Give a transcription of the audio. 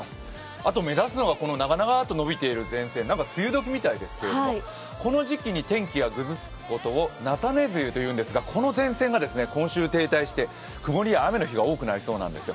あと目立つのが、長々と延びている前線、この時期にぐずつくことを菜種梅雨というんですが、この低気圧が停滞して曇りや雨の日が多くなりそうなんですよ。